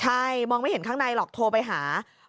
ใช่มองไม่เห็นข้างในหรอกโทรไปหา